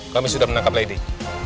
kami sudah menangkap lady